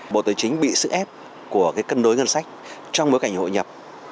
bộ tài chính bị sự ép của cân đối ngân sách trong bối cảnh hội nhập